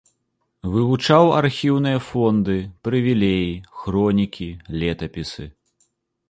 Вывучаў архіўныя фонды, прывілеі, хронікі, летапісы.